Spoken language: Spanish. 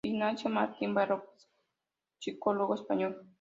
Ignacio Martín-Baró, psicólogo español.